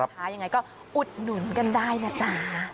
ยังไงก็อุดหนุนกันได้นะจ๊ะ